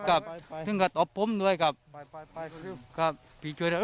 มาถ้าไม่ได้เป็นส่วนเกี่ยวข้องอะไรเลย